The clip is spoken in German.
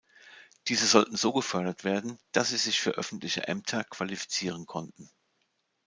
Diese sollten so gefördert werden, dass sie sich für öffentliche Ämter qualifizieren konnten.